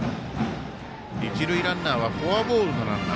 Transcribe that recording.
一塁ランナーはフォアボールのランナー。